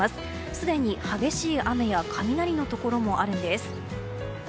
すでに激しい雨や雷のところもあるんです。